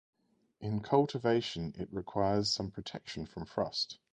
In cultivation it requires some protection from frost.